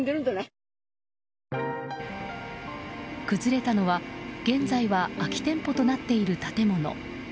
崩れたのは現在は空き店舗となっている建物。